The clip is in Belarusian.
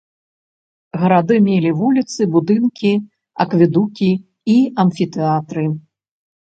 Гарады мелі вуліцы, будынкі, акведукі і амфітэатры.